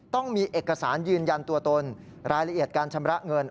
ต้องมีเอกสารยืนยันตัวตนรายละเอียดการชำระเงิน